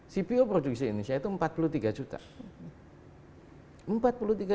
cpo produksi indonesia itu empat puluh tiga juta